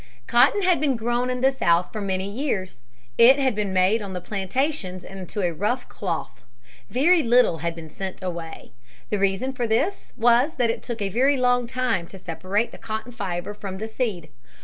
Cotton had been grown in the South for many years. It had been made on the plantations into a rough cloth. Very little had been sent away. The reason for this was that it took a very long time to separate the cotton fiber from the seed.